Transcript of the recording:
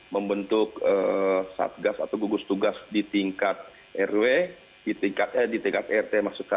membentuk subgas atau gugus tugas di tingkat rt